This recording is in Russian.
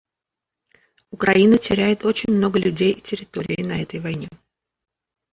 Украина теряет очень много людей и территории на этой войне.